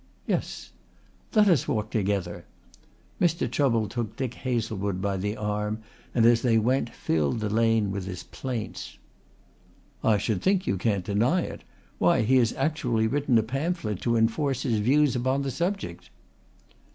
"Yes." "Let us walk together." Mr. Chubble took Dick Hazlewood by the arm and as they went filled the lane with his plaints. "I should think you can't deny it. Why, he has actually written a pamphlet to enforce his views upon the subject."